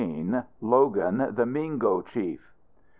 LOGAN, THE MINGO CHIEF.